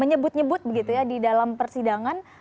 menyebut nyebut begitu ya di dalam persidangan